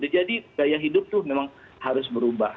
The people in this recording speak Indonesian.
jadi gaya hidup itu memang harus berubah